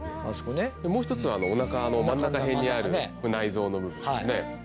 もう一つはおなかの真ん中辺にある内臓の部分ですね。